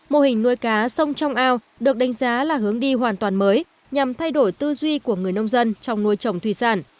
mô hình nuôi cá sông trong ao được đánh giá là hướng đi hoàn toàn mới nhằm thay đổi tư duy của người nông dân trong nuôi trồng thủy sản